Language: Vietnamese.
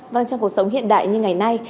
vâng trong cuộc sống hiện đại như ngày nay